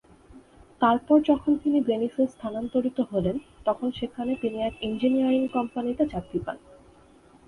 তারপর যখন তিনি ভেনিসে স্থানান্তরিত হলেন, তখন সেখানে তিনি এক ইঞ্জিনিয়ারিং কোম্পানিতে চাকরি পান।